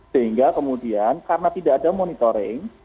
sehingga kemudian karena tidak ada monitoring